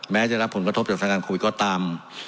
แม้จะรับผลกระทบจากสถานการณ์โควิดก็ตาม